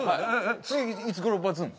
次いつ頃バズるの？